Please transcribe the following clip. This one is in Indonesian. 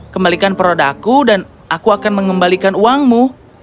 kembalikan produkku dan aku akan mengembalikan uangmu